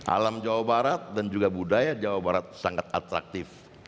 alam jawa barat dan juga budaya jawa barat sangat atraktif